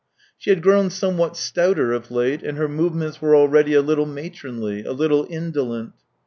She had grown somewhat stouter of late, and her movements were already a little matronly, a little indolent.